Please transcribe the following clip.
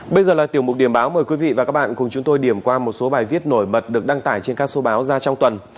bây giờ là tiểu mục điểm báo mời quý vị và các bạn cùng chúng tôi điểm qua một số bài viết nổi bật được đăng tải trên các số báo ra trong tuần